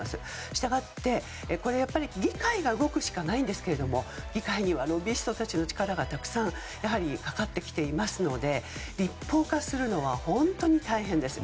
従って、やっぱり議会が動くしかないんですけど議会にはロビーストたちの力がたくさんかかってきていますので立法化するのは非常に大変です。